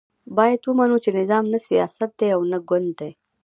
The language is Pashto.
باید ومنو چې نظام نه سیاست دی او نه ګوند دی.